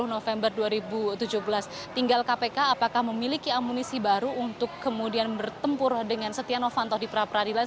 dua puluh november dua ribu tujuh belas tinggal kpk apakah memiliki amunisi baru untuk kemudian bertempur dengan setia novanto di pra peradilan